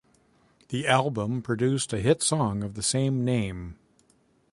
The album produced a hit song of the same name.